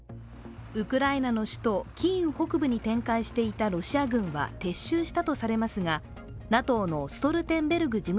ウクライナの首都キーウ北部に展開していたロシア軍は撤収したとされますがＮＡＴＯのストルテンベルグ